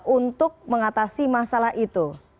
untuk mengatasi masalah itu